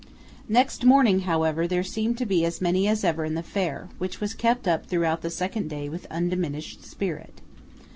Next morning, however, there seemed to be as many as ever in the fair, which was kept up throughout the second day with undiminished spirit.